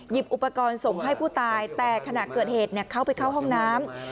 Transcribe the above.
อุปกรณ์ส่งให้ผู้ตายแต่ขณะเกิดเหตุเขาไปเข้าห้องน้ำ